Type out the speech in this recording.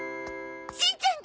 しんちゃん